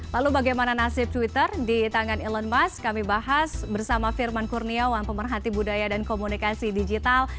lalu bagaimana nasib twitter di tangan elon musk kami bahas bersama firman kurniawan pemerhati budaya dan komunikasi digital